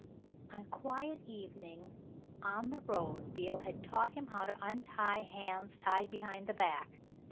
On a quiet evening on the road Beale had taught him how to untie hands tied behind the back.